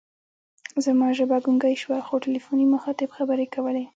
زما ژبه ګونګۍ شوه، خو تلیفوني مخاطب خبرې کولې.